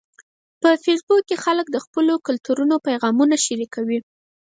په فېسبوک کې خلک د خپلو کلتورونو پیغامونه شریکوي